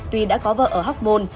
tuy đã có vợ ở hóc môn